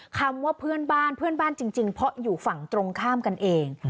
คำว่าเพื่อนบ้านเพื่อนบ้านจริงเพราะอยู่ฝั่งตรงข้ามกันเอง